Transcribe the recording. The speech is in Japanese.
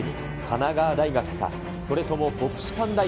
神奈川大学か、それとも国士舘大